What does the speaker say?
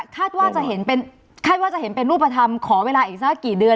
คาดว่าจะเห็นเป็นคาดว่าจะเห็นเป็นรูปธรรมขอเวลาอีกสักกี่เดือน